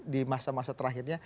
di masa masa terakhirnya